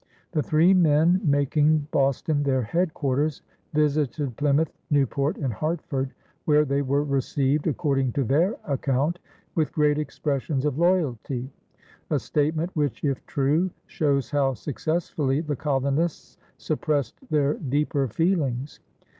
The three men, making Boston their headquarters, visited Plymouth, Newport, and Hartford, where they were received, according to their account, "with great expressions of loyalty" a statement which, if true, shows how successfully the colonists suppressed their deeper feelings.